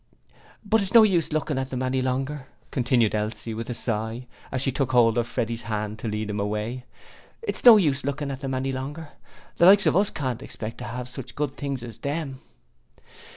'But it's no use lookin' at them any longer,' continued Elsie, with a sigh, as she took hold of Freddie's hand to lead him away. 'It's no use lookin' at 'em any longer; the likes of us can't expect to have such good things as them.'